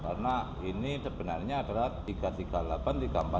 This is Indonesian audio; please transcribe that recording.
karena ini sebenarnya adalah tiga ratus tiga puluh delapan dan tiga ratus empat puluh